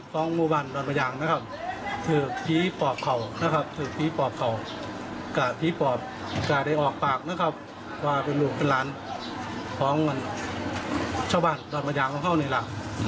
ดอดมายางผ่านเขาก็เหนื่อยหลัก